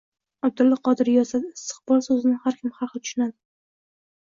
Abdulla Qodiriy yozadi: “Istiqbol so’zini har kim har turli tushunadi.